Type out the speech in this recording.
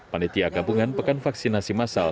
panitia gabungan pekan vaksinasi masal